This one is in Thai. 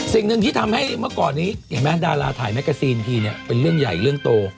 สิ่งหนึ่งที่ทำให้เมื่อก่อนนี้เห็นไหมดาราถ่ายแกซีนทีเนี่ยเป็นเรื่องใหญ่เรื่องโต